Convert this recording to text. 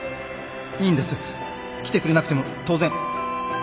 いいんです。来てくれなくても当然